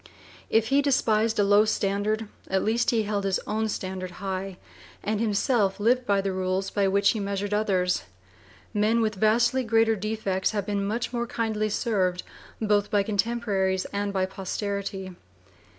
If he despised a low standard, at least he held his own standard high, and himself lived by the rules by which he measured others. Men with vastly greater defects have been much more kindly served both by contemporaries and by posterity.